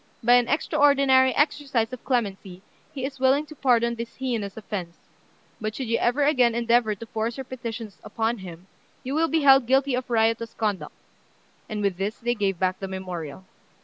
By an extraordinary exercise of clemency, he is willing to pardon this heinous offence; but should you ever again endeavour to force your petitions; upon him, you will be held guilty of riotous conduct;" and with this they gave back the memorial.